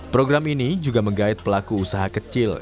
program ini juga menggait pelaku usaha kecil